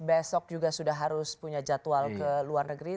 besok juga sudah harus punya jadwal ke luar negeri